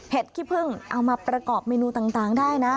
ขี้พึ่งเอามาประกอบเมนูต่างได้นะ